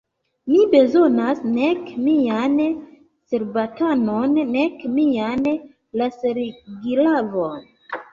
Mi bezonis nek mian cerbatanon, nek mian laserglavon.